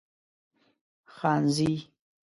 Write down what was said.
خانزي